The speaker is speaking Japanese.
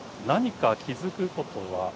何か気づくことは？